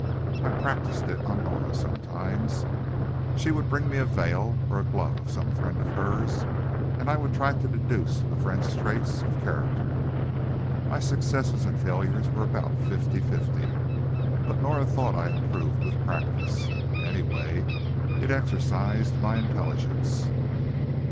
I practiced it on Norah sometimes. She would bring me a veil or glove of some friend of hers, and I would try to deduce the friend's traits of character. My successes and failures were about fifty fifty, but Norah thought I improved with practice, and, anyway, it exercised my intelligence.